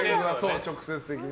直接的な。